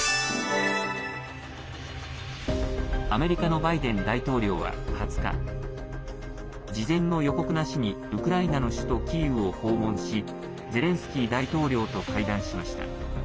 アメリカのバイデン大統領は２０日事前の予告なしにウクライナの首都キーウを訪問しゼレンスキー大統領と会談しました。